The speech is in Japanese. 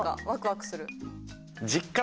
わくわくする。